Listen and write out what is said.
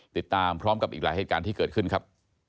ติดตามพร้อมกับอีกหลายเหตุการณ์ที่เกิดขึ้นครับ